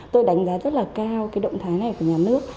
tôi đánh giá rất là cao cái động thái này của nhà nước